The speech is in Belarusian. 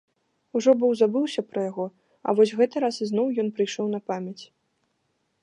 Ужо быў забыўся пра яго, а вось гэты раз ізноў ён прыйшоў на памяць.